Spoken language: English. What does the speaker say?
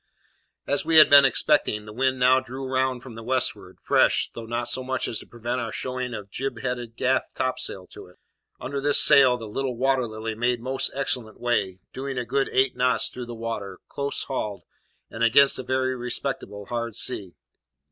As we had been expecting, the wind now drew round from the westward, fresh, though not so much so as to prevent our showing a jib headed gaff topsail to it. Under this sail the little Water Lily made most excellent way; going a good eight knots through the water, close hauled, and against a very respectable head sea.